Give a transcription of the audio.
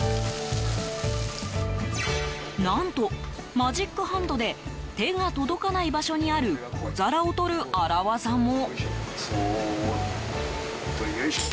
何と、マジックハンドで手が届かない場所にある小皿を取る荒業も。